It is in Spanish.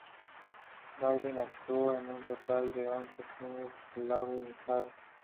Garvin actuó en un total de once filmes de Laurel y Hardy.